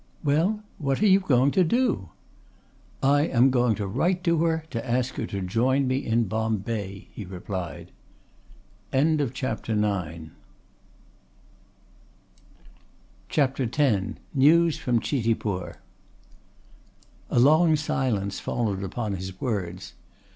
"Well, what are you going to do?" "I am going to write to her to ask her to join me in Bombay," he replied. CHAPTER X NEWS FROM CHITIPUR A long silence followed upon his words.